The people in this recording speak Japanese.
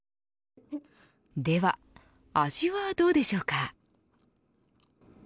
では、味はどうでしょうか。